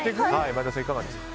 前田さん、いかがですか？